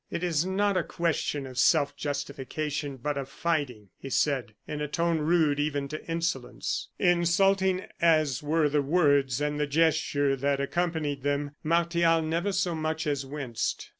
"It is not a question of self justification, but of fighting," he said, in a tone rude even to insolence. Insulting as were the words and the gesture that accompanied them, Martial never so much as winced.